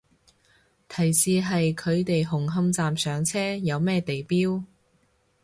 提示係佢哋紅磡站上車，有咩地標